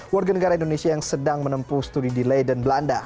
warga negara indonesia yang sedang menempuh studi delay dan belanda